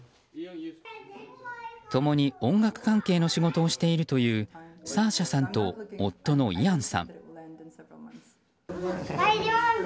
共に音楽関係の仕事をしているというサーシャさんと夫のイアンさん。